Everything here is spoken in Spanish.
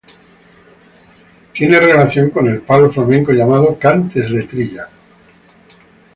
Tiene relación con el palo flamenco llamado "cantes de trilla".